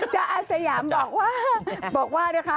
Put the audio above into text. จะอาสยามบอกว่า